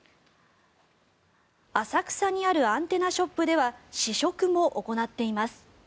浅草にあるアンテナショップでは試食も行っています。